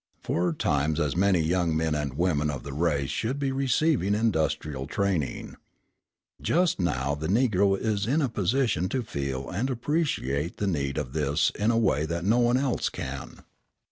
Four times as many young men and women of the race should be receiving industrial training. Just now the Negro is in a position to feel and appreciate the need of this in a way that no one else can.